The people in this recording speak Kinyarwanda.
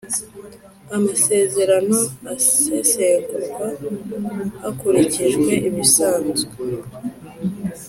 Amasezerano asesengurwa hakurikijwe ibisanzwe